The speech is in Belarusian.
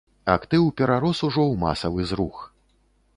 Актыў перарос ужо ў масавы зрух.